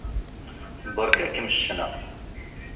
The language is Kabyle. Beṛka-kem ccna.